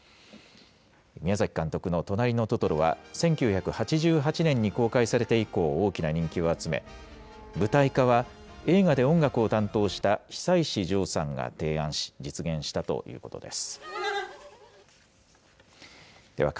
宮崎監督のとなりのトトロは、１９８８年に公開されて以降、大きな人気を集め、舞台化は、映画で音楽を担当した久石譲さんが提案し、実現したということです。